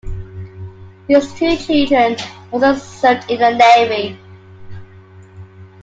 His two children also served in the Navy.